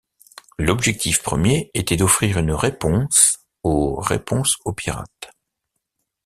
L’objectif premier était d’offrir une réponse aux réponses au Pirates.